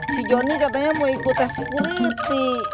si johnny katanya mau ikut tes security